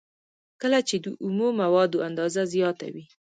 کله چې د اومو موادو اندازه زیاته وي